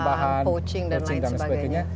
poaching dan lain sebagainya